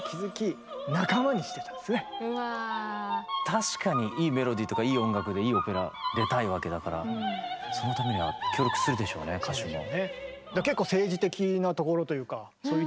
確かにいいメロディーとかいい音楽でいいオペラ出たいわけだからそのためには協力するでしょうね歌手も。